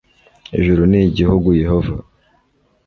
ijuru Ni igihugu Yehova